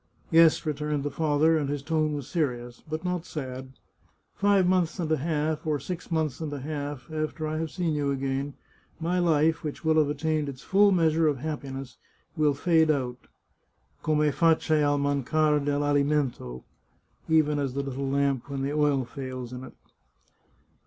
" Yes," returned the father, and his tone was serious, but not sad. " Five months and a half, or six months and a half, after I have seen you again, my life, which will have attained its full measure of happiness, will fade out, ' come face al mancar delValimento '" (even as the little lamp when the oil fails in it).